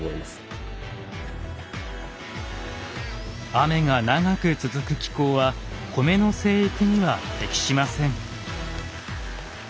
雨が長く続く気候は米の生育には適しません。